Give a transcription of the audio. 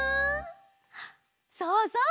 そうそう！